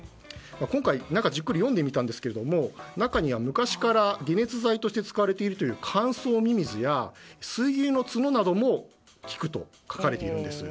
今回じっくり読んでみたんですが中には昔から解熱剤として使われているという乾燥ミミズや、水牛の角なども効くと書かれているんです。